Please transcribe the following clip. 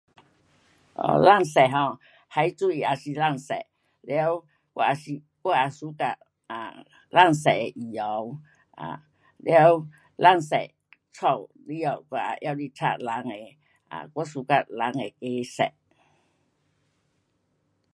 哦，蓝色 um 海水也是蓝色。了我也 su 我也 suka[um] 蓝色的衣物。um 了蓝色家里后我也拿来彩蓝的。我 suka 蓝那个色。